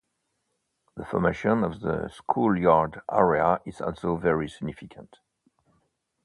The formation of the school-yard area is also very significant.